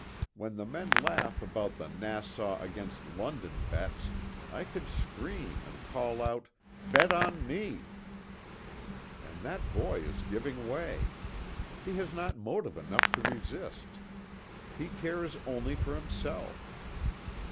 When the men laugh about the 'Nas sau against London ' bets I could scream and call out ' Bet on me !'" And that boy is giving way. He has not motive enough to resist. He cares only for himself.